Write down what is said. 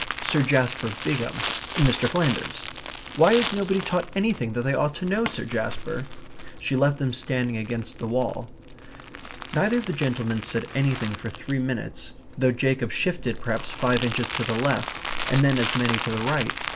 Sir Jasper Bigham Mr. Flanders. Why is nobody taught anything that they ought to know, Sir Jasper?" She left them standing against the wall. Neither of the gentlemen said anything for three minutes, though Jacob shifted perhaps five inches to the left, and then as many to the right.